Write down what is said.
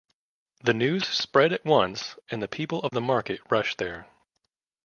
The news spread at once, and the people of the market rushed there.